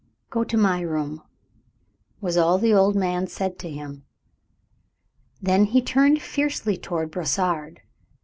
"Go to my room," was all the old man said to him. Then he turned fiercely towards Brossard.